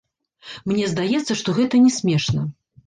Мне здаецца, што гэта не смешна.